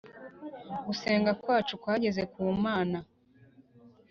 gusenga kwacu kwageze ku Mana.